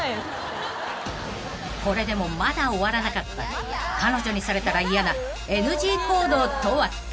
［これでもまだ終わらなかった彼女にされたら嫌なＮＧ行動とは？］